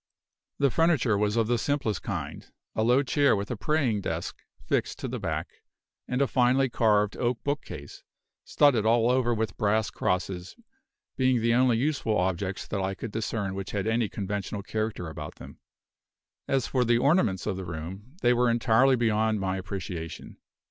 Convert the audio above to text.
The furniture was of the simplest kind; a low chair with a praying desk fixed to the back, and a finely carved oak book case, studded all over with brass crosses, being the only useful objects that I could discern which had any conventional character about them. As for the ornaments of the room, they were entirely beyond my appreciation.